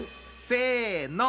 せの。